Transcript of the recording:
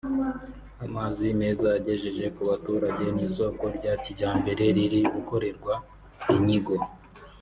amazi meza yagejeje ku baturage n’isoko rya kijyambere riri gukorerwa inyigo